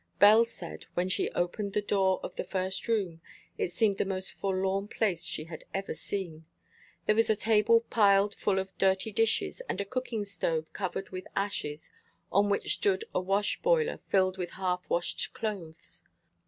Belle said, when she opened the door of the first room, it seemed the most forlorn place she had ever seen. There was a table piled full of dirty dishes, and a cooking stove covered with ashes, on which stood a wash boiler filled with half washed clothes.